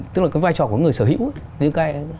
tức là cái vai trò của người sở hữu